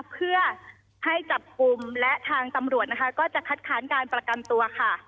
เพื่อให้จับกลุ่มและทางตำรวจนะคะก็จะคัดค้านการประกันตัวค่ะ